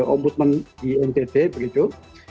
ombudsman di ntt begitu